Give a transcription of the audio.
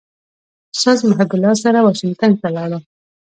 استاد محب الله سره واشنګټن ته ولاړم.